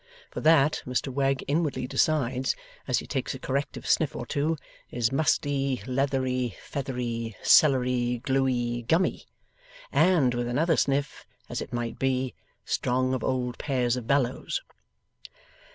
'For that,' Mr Wegg inwardly decides, as he takes a corrective sniff or two, 'is musty, leathery, feathery, cellary, gluey, gummy, and,' with another sniff, 'as it might be, strong of old pairs of bellows.